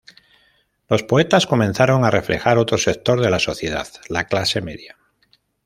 Los poetas comenzaron a reflejar otro sector de la sociedad: la clase media.